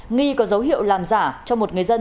nghi có dấu hiệu làm giả cho một người dân